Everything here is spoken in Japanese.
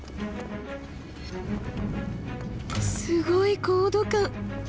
すごい高度感。